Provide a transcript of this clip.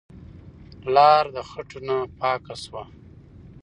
لار د خټو نه پاکه شوه.